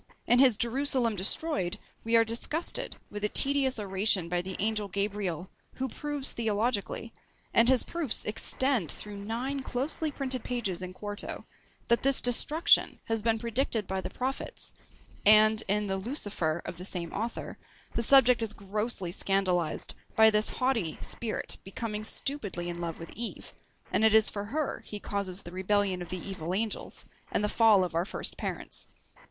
In his Jerusalem Destroyed we are disgusted with a tedious oration by the angel Gabriel, who proves theologically, and his proofs extend through nine closely printed pages in quarto, that this destruction has been predicted by the prophets; and, in the Lucifer of the same author, the subject is grossly scandalised by this haughty spirit becoming stupidly in love with Eve, and it is for her he causes the rebellion of the evil angels, and the fall of our first parents.